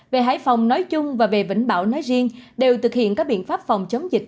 về hải phòng nói chung và về vĩnh bảo nói riêng đều thực hiện các biện pháp phòng chống dịch